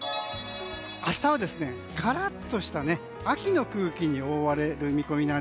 明日はカラッとした秋の空気に覆われます。